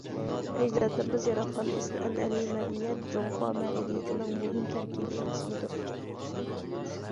ئەجدادلىرىمىز ياراتقان ئېسىل ئەنئەنىۋى مەدەنىيەت جۇڭخۇا مەدەنىيىتىنىڭ مۇھىم تەركىبىي قىسمىدۇر.